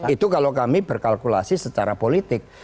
itu kalau kami berkalkulasi secara politik